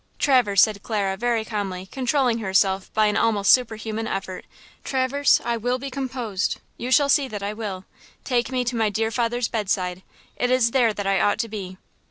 "Traverse," said Clara, very calmly, controlling herself by an almost superhuman effort, "Traverse, I will be composed; you shall see that I will; take me to my dear father's bedside; it is there that I ought to be!"